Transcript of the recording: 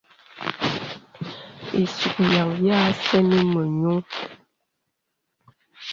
Isùkyan ya sɛ̂nì mə nyùù.